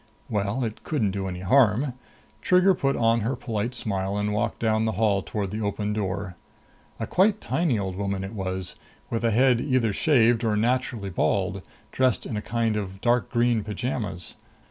Well, it couldn't do any harm. Trigger put on her polite smile and walked down the hall toward the open door. A quite tiny old woman it was, with a head either shaved or naturally bald, dressed in a kind of dark green pajamas.